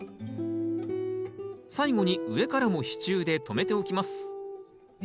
最後に上からも支柱で留めておきます